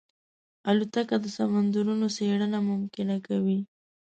الوتکه د سمندرونو څېړنه ممکنه کوي.